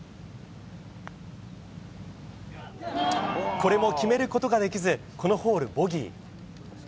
これも決めることができずこのホール、ボギー。